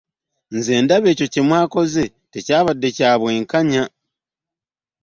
Nze ndaba ekyo kye mwakoze tekyabadde kya bwenkanya.